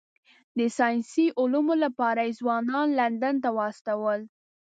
د ساینسي علومو لپاره یې ځوانان لندن ته واستول.